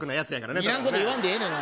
いらんこと言わんでええねん。